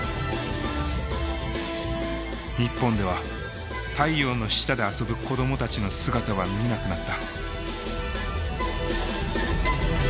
日本では太陽の下で遊ぶ子供たちの姿は見なくなった。